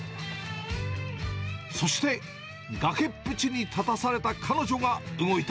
そして、崖っぷちに立たされた彼女が動いた。